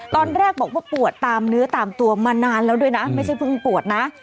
ตอนแรกบอกว่าปวดตามเนื้อตามตัวมานานแล้วด้วยนะไม่ใช่เพิ่งปวดนะ